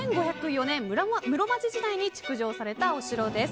１５０４年、室町時代に築城されたお城です。